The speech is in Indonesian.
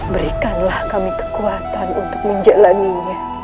berikanlah kami kekuatan untuk menjalannya